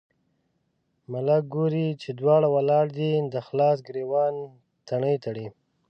ملک ګوري چې دواړه ولاړ دي، د خلاص ګرېوان تڼۍ تړي.